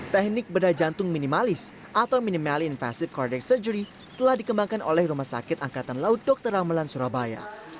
teknik bedah jantung minimalis atau minimally invasive cardiac surgery telah dikembangkan oleh rumah sakit angkatan laut dr ramelan surabaya